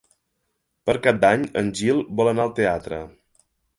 Per Cap d'Any en Gil vol anar al teatre.